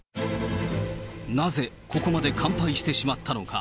なぜ、ここまで完敗してしまったのか。